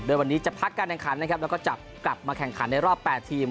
โดยวันนี้จะพักการแข่งขันนะครับแล้วก็จับกลับมาแข่งขันในรอบ๘ทีม